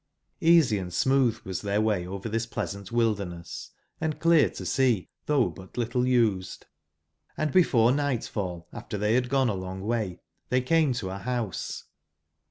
kj^^^HSY ^^^ smooth was their way over this n^^9 pleasant wilderness, & clear to see, though ^^£g^ but little used, and before nightfall, after they had gone a long way, they came to a house.